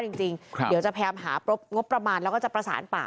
จริงจริงเดี๋ยวจะพร้อมหาปรบงบประมาณแล้วก็จะประสานป่า